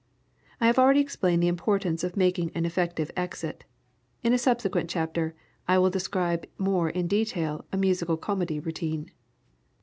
I have already explained the importance of making an effective exit. In a subsequent chapter, I will describe more in detail a musical comedy routine.